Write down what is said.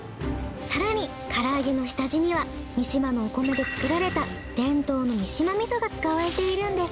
更に唐揚げの下地には見島のお米で作られた伝統の見島味噌が使われているんです。